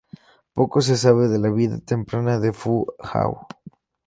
Poco se sabe de la vida temprana de Fu Hao.